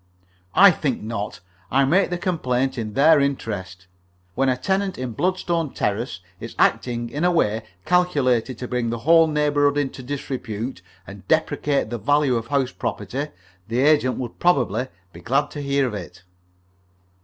"I think not. I make the complaint in their interest. When a tenant in Bloodstone Terrace is acting in a way calculated to bring the whole neighbourhood into disrepute, and depreciate the value of house property, the agents would probably be glad to hear of it."